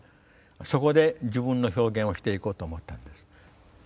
そこで自分の表現をしていこうと思ったんです。